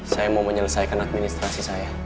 saya mau menyelesaikan administrasi saya